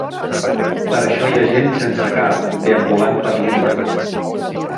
Per això hi ha gent sense cap deambulant per l'illa.